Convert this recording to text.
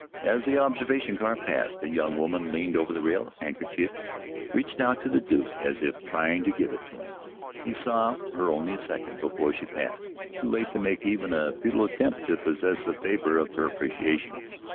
As the observation car passed, a young woman leaned over the rail, handkerchief reached out to the Duke as if trying to give it to him. He saw her only a second before she passed, too late to make even a futile attempt to possess the favor of her appreciation.